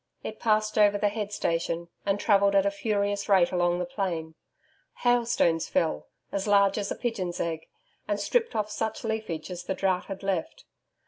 It passed over the head station and travelled at a furious rate along the plain. Hailstones fell, as large as a pigeon's egg, and stripped off such leafage as the drought had left.